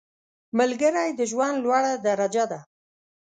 ملګری د ژوند لوړه درجه ده